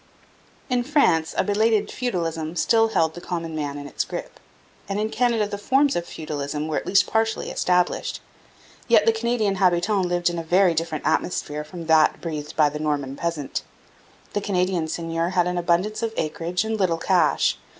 In France a belated feudalism still held the common man in its grip, and in Canada the forms of feudalism were at least partially established. Yet the Canadian habitant lived in a very different atmosphere from that breathed by the Norman peasant. The Canadian seigneur had an abundance of acreage and little cash.